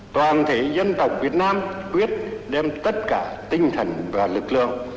toàn thể dân tộc việt nam quyết đem tất cả tinh thần và lực lượng